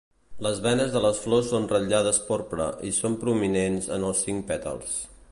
Les venes de les flors són ratllades porpra i són prominents en els cinc pètals.